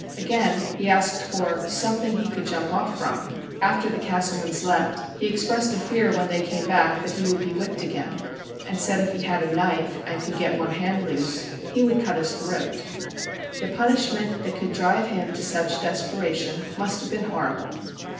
Again: he asked for "something he could jump off from;" "after the Castlemans left, he expressed a fear when they came back that he would be whipped again; and said, if he had a knife, and could get one hand loose, he would cut his throat." The punishment that could drive him to such desperation must have been horrible.